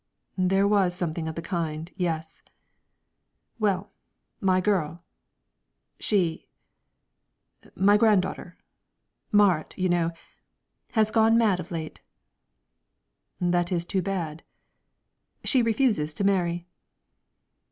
"There was something of the kind; yes." "Well, my girl she my granddaughter Marit, you know she has gone mad of late." "That is too bad." "She refuses to marry."